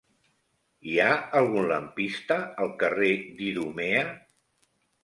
Hi ha algun lampista al carrer d'Idumea?